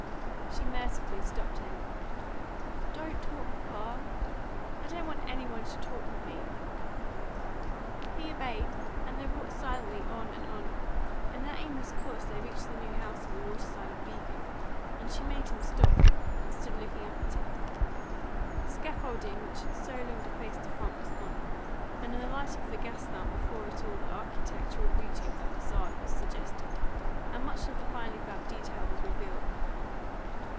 She mercifully stopped him. "Don't talk, papa. I don't want any one should talk with me." He obeyed, and they walked silently on and on. In their aimless course they reached the new house on the water side of Beacon, and she made him stop, and stood looking up at it. The scaffolding which had so long defaced the front was gone, and in the light of the gas lamp before it all the architectural beauty of the facade was suggested, and much of the finely felt detail was revealed.